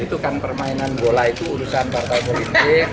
itu kan permainan bola itu urusan partai politik